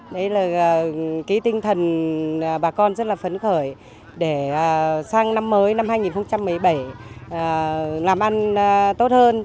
đấy là cái tinh thần bà con rất là phấn khởi để sang năm mới năm hai nghìn một mươi bảy làm ăn tốt hơn